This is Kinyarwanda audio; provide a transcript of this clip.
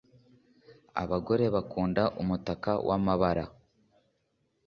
Abagore bakunda umutaka wamabara